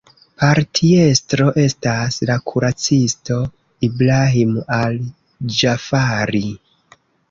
Partiestro estas la kuracisto Ibrahim al-Ĝafari.